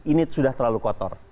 ini sudah terlalu kotor